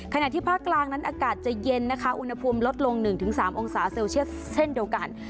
ขณะที่ภาคกลางนั้นอากาศจะเย็นนะคะอุณหภูมิลดลง๑๓องศาเซลเซียสเช่นเดียวกัน